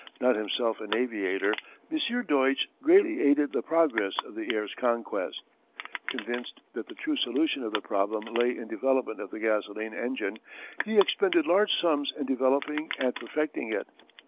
Not himself an aviator, M. Deutsch greatly aided the progress of the air's conquest. Convinced that the true solution of the problem lay in development of the gasoline engine, he expended large sums in developing and perfecting it.